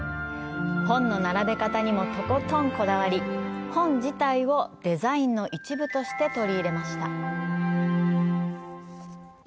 本の並べ方にも、とことんこだわり、本自体をデザインの一部として取り入れました。